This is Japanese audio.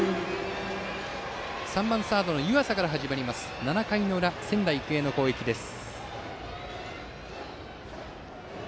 ３番サードの湯浅から始まる７回の裏、仙台育英の攻撃です。